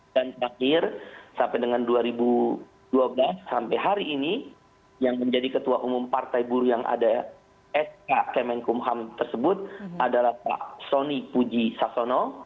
dan akhir sampai dengan dua ribu dua belas sampai hari ini yang menjadi ketua umum partai buruh yang ada sk kemenkumham tersebut adalah pak soni puji sasono